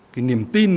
cái niềm tin